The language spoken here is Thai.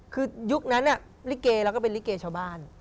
คือยุคนั้นลิเกเราก็เป็นลิเกชาวบ้าน